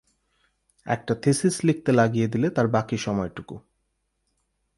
একটা থীসিস লিখতে লাগিয়ে দিলে তার বাকি সময়টুকু।